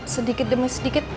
sedikit demi sedikit